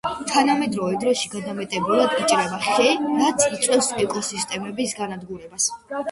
თანამედროვე დროში გადამეტებულად იჭრება ხე, რაც იწვევს ეკოსისტემების განადგურებას.